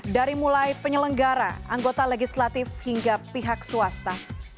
dari mulai penyelenggara anggota legislatif hingga pihak swasta